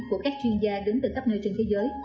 của các chuyên gia đến từ khắp nơi trên thế giới